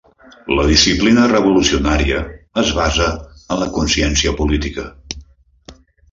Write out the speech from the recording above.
La disciplina «revolucionària» es basa en la consciència política